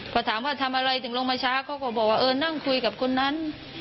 พอถามว่าทำอะไรถึงลงมาช้าเขาก็บอกว่าเออนั่งคุยกับคนนั้น